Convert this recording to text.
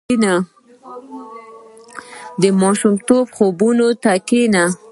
• د ماشومتوب خوبونو ته کښېنه.